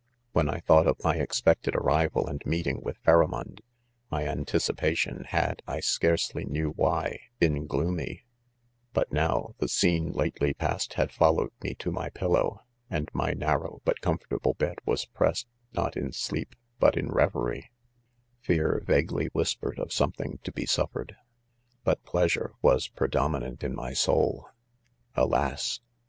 When I thought of my expected arrival and meeting withPharamond, my anticipation had, 1 scarce ly knew why, been gloomy s But now, the scene lately passed had fol lowed me to my pillow, and my narrow but comfortable bed was pressed, not in sleep, but in reverie* Fear vaguely whispered of some thing to be suffered, but pleasure was predomr inant in my soul. Alas